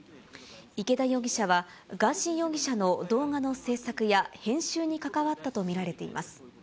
池田容疑者は、ガーシー容疑者の動画の制作や編集に関わったと見られています。